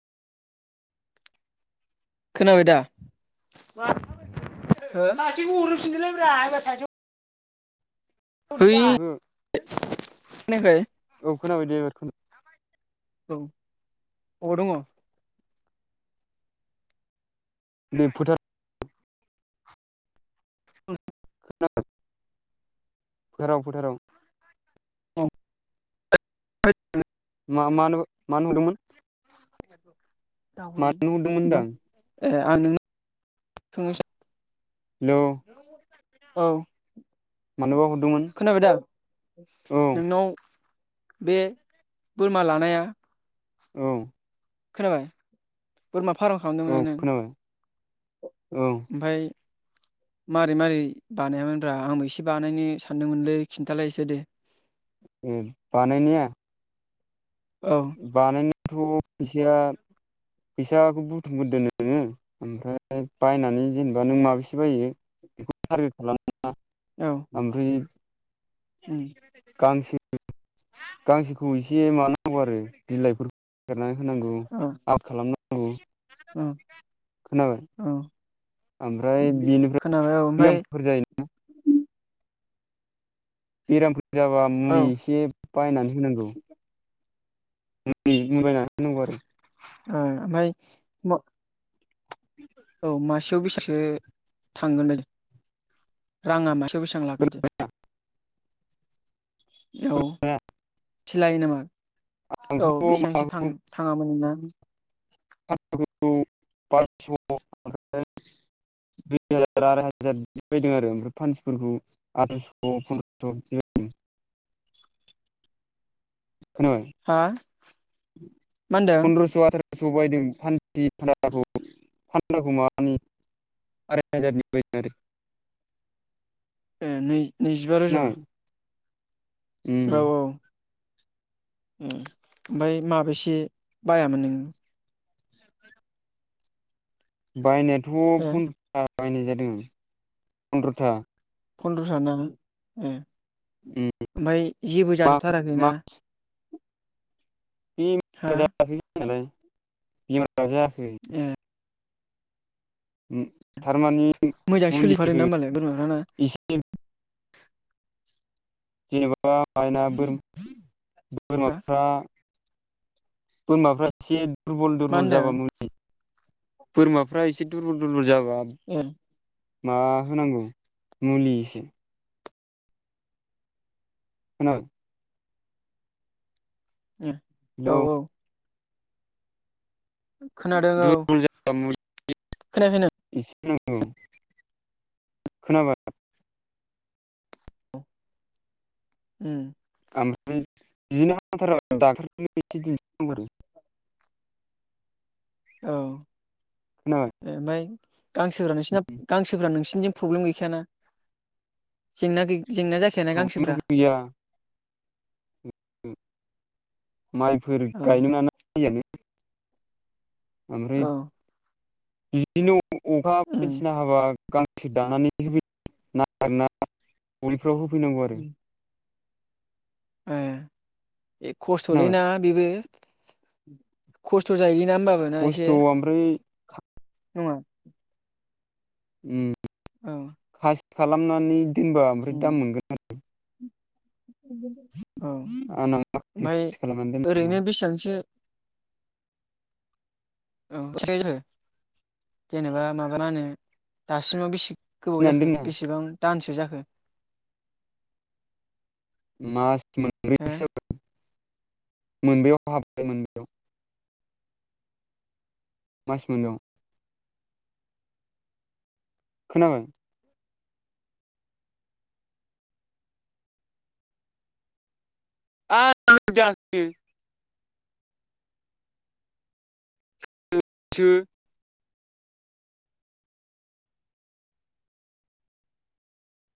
खोनाबाय दा [unintelligible] होइ ओहो [inaudible] खोनायाखै? औ खोनाबायदे एबार औ अबव' दङ? उम फोथा [inaudible] [inaudible] फोथाराव फोथाराव औ [inaudible] मा मानोबा मानो नुदोंमोन। मानो हरदोंमोन होनदां ए आं नोंनो [inaudible] हेलौ औ। मानोबा हरदोंमोन खोनाबाय दा औ नोंनाव बे बोरमा लानाया औ। खोनाबाय बोरमा फार्म औ खालामदोंमोन ना नों खोनाबाय औ ओमफ्राय [unintelligible] मारै मारै बानायामोनब्रा आंबो एसे बानायनो सानदोंमोनलै खिन्थालाय इसे दे। उम बानायनाया औ बानायनायाथ' फैसाया फैसाखौ बुथुमगोरदो नोङो। ओमफ्राय बायनानै जेनेबा नों माबेसे बायो बेखौ टारगेट खालामना औ ओमफ्राय उम गांसो गांसोखौ एसे मानांगौ आरो बिलाइफोर नागिरना होनांगौ [unintelligible] खालामनांगौ। उम खोनाबाय? औ ओमफ्राय बेनिफ्राय खोनाबाय औ ओमफाय बेयामफोर जायो बेरामफोर जाबा औ ओ मुलि एसे बायनानै होनांगौ। मुलि बायनानै होनांगौ आरो ओ ओमफ्राय म औ मासेयाव बेसेसो थांगोन बायदि? राङा मासेआव बेसेबां लागायदो। औ सिलायो नामा आंथ' औ बेसेबांसो माबाखौ थाङो। थाङामोन नोंना। [unintelligible] दुइ हाजार आराय हाजार बिदि बायदों आरो ओमफ्राय फान्थिफोरखौ आथाइस' फन्द्रस' बिदि। बायदों खोनाबाय? हा मा होनदों फन्द्रस'आथार। सौ बायदों फान्थि फान्दाखौ फान्दाखौ माबानि आराय हाजारनि बायदों आरो। ए नै नैजिबा रोजा। खोनाबाय उम औ औ। उम ओमफ्राय माबैसे बायामोन नोङो? बायनायाथ' हो फन्द्रथा बायनाय जादों, फन्द्रथा। फन्द्रथा दां उम उम ओमफाय जेबो मा जाथ'थाराखै मा ना? हा बेमार जाखै जनालाय बेमार जायाखै। ओम। उम थारमानि मोजां सोलिफादों ना होमबालाय बोरमाफ्रा ना? एम। जेनेबा माइना हा बोरमाफ्रा। बोरमाफ्रा थि दुरबल मा दुरबल होनदों जाबाय मुलि। बोरमाफ्रा एसे दुरबल दुरबल जाबा [inaudible] मा होनांगौ मुलिसो। होनांगोन। उम औ हेलौ औ। खोनादों औ दुरबल जाबा मुलि खोनायाखै नों? एसे नांगौ खोनाबाय। उम। ओमफ्राय बिदिनो एसे दाक्तरनो दिन्थिनांगौ आरो। औ। खोनाबाय? ओ ओमफ्राय गांसोफ्रा नोंसिना गांसोफ्रा नोंसिनिजों प्रब्लेम गैखायाना? जेंना गै जेंना जाखायाना गांसोफ्रा? प्रब्लेमथ' गैया। माइफोर औ गायनो ना यानो ओमफ्राय औ बिदिनो अखा उम बायदिसिना हाबा गांसो जानानै होफै न गलिफ्राव होफै नांगौ आरो। ए-ए खोनाबाय खस्थ'लैना बेबो। खस्थ' जायोलि ना होमबाबोना खस्थ' एसे ओमफ्राय नङा? उम। औ। खासि खालामनानै दोनबा ओमफ्राय उम दाम मोनगोन। औ आंना माखासे ओमफ्राय खासि खालामनानै दोनदों ओरैनो बेसेबांसो औ मिथि जबो जेनेबा माबा मा होनो दासिमाव बेसे गोबाव दोननानै जाखो दोना बेसेबां दानसो जाखो। मास हो मोनब्रैसो जाबाय मोनबयाव हाबबाय मोनबयाव। मास मोनबायाव खोनादों? [unintelligible] [unintelligible]